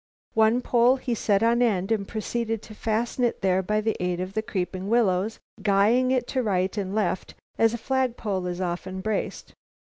One pole he set on end and proceeded to fasten it there by the aid of the creeping willows, guying it to right and left, as a flag pole is often braced.